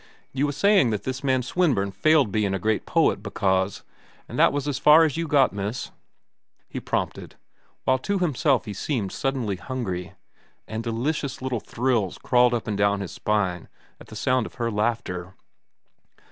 "You was saying that this man Swinburne failed bein' a great poet because—an' that was as far as you got, miss," he prompted, while to himself he seemed suddenly hungry, and delicious little thrills crawled up and down his spine at the sound of her laughter.